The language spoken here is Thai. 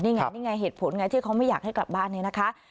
นี่ไงนี่ไงเหตุผลไงที่เขาไม่อยากให้กลับบ้านเนี่ยนะคะ